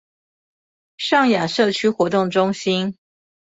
上雅社區活動中心